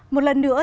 một lần nữa